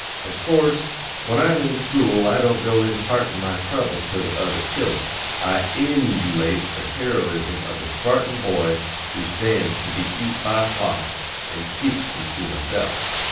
Of course, when I'm in school I don't go impartin' my troubles to the other chil'en; I emyoolates the heroism of the Spartan boy who stands to be eat by a fox, an' keeps 'em to myself.